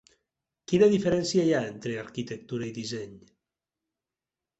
Quina diferència hi ha entre arquitectura i disseny?